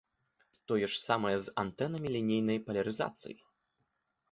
Тое ж самае з антэнамі лінейнай палярызацыі.